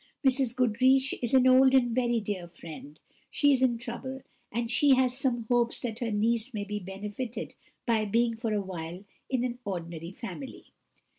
Mrs. Goodriche is an old and very dear friend; she is in trouble, and she has some hopes that her niece may be benefited by being for a while in an orderly family.